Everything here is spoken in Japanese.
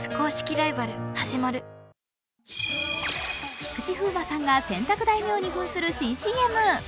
菊池風磨さんが洗濯大名に扮する新ＣＭ。